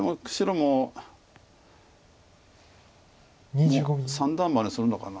もう三段バネするのかな。